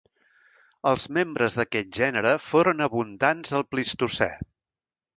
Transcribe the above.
Els membres d'aquest gènere foren abundants al Plistocè.